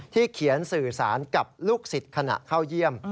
เขียนสื่อสารกับลูกศิษย์ขณะเข้าเยี่ยม